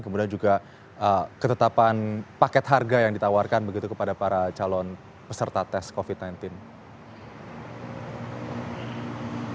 kemudian juga ketetapan paket harga yang ditawarkan begitu kepada para calon peserta tes covid sembilan belas